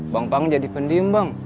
bang paang jadi pendiem bang